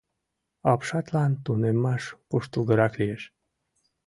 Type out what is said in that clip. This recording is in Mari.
Апшатлан тунемаш куштылгырак лиеш...